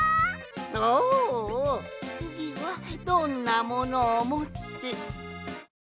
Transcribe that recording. おおつぎはどんなものをもって。